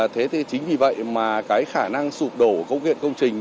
thế thì chính vì vậy mà cái khả năng sụp đổ công viện công trình